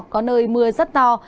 có nơi mưa rất to